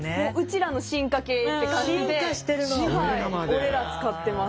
「おれら」使ってます。